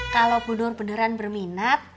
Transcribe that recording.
kalau bunur beneran berminat